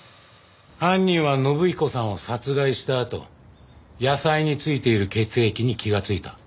犯人は信彦さんを殺害したあと野菜に付いている血液に気がついた。